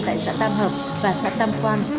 tại xã tam hợp và xã tam quang